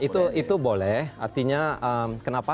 itu boleh artinya kenapa